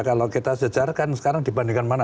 kalau kita sejarahkan sekarang dibandingkan mana